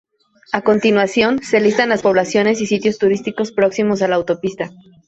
A continuación se listan las poblaciones y sitios turísticos próximos a la autopista.